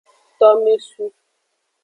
Tomesu.